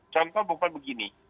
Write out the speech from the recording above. contoh bukan begini